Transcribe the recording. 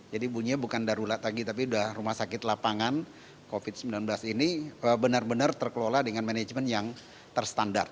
jadi bunyinya bukan darurat lagi tapi rumah sakit lapangan covid sembilan belas ini benar benar terkelola dengan manajemen yang terstandar